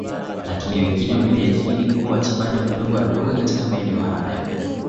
Lakini wengine wamejiajiri kuwa wachimbaji wadogo wadogo katika maeneo hayo